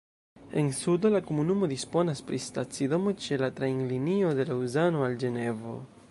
En sudo la komunumo disponas pri stacidomo ĉe la trajnlinio de Laŭzano al Ĝenevo.